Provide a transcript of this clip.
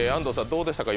どうでしたか？